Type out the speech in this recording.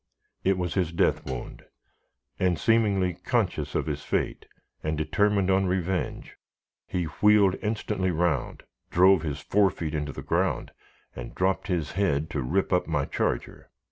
It was his death wound; and, seemingly conscious of his fate, and determined on revenge, he wheeled instantly round, drove his fore feet into the ground, and dropped his head to rip up my charger.